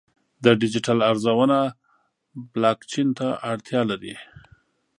د ډیجیټل ارزونه بلاکچین ته اړتیا لري.